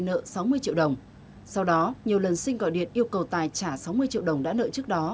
nợ sáu mươi triệu đồng sau đó nhiều lần sinh gọi điện yêu cầu tài trả sáu mươi triệu đồng đã nợ trước đó